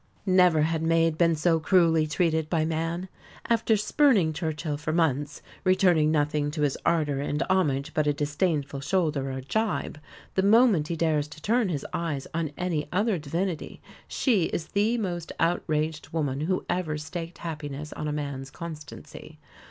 Never had maid been so cruelly treated by man! After spurning Churchill for months, returning nothing to his ardour and homage but a disdainful shoulder or a gibe, the moment he dares to turn his eyes on any other divinity she is the most outraged woman who ever staked happiness on a man's constancy.